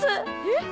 えっ？